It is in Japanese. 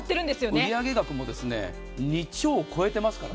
売上額も２兆を超えてますからね。